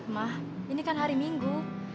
mah ini kan hari minggu